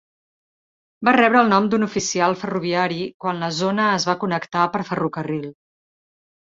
Va rebre el nom d'un oficial ferroviari quan la zona es va connectar per ferrocarril.